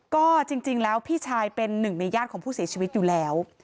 ก็จริงแล้วพี่ชายเป็นหนึ่งในญาติของผู้เสียชีวิตอยู่แล้ว